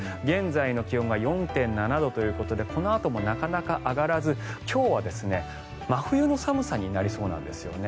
現在の気温が４．７度ということでこのあともなかなか上がらず今日は真冬の寒さになりそうなんです。